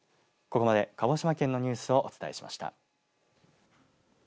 ここまで鹿児島県のニュースをお伝えしました。